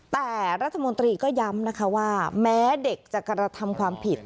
แต่รัฐมนตรีก็ย้ำนะคะว่าแม้เด็กจะกระทำความผิด